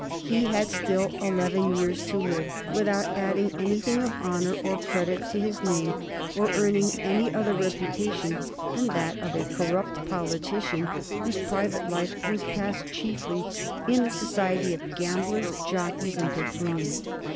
He had still eleven years to live without adding anything of honor or credit to his name, or earning any other reputation than that of a corrupt politician whose private life was passed chiefly in the society of gamblers, jockeys, and buffoons.